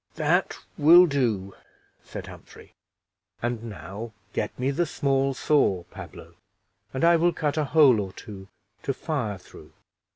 "That will do," said Humphrey; "and now get me the small saw, Pablo, and I will cut a hole or two to fire through."